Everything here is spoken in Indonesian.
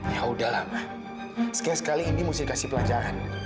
ya udahlah ma sekali sekali indi mesti dikasih pelajaran